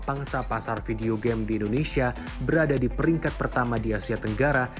pangsa pasar video game di indonesia berada di peringkat pertama di asia tenggara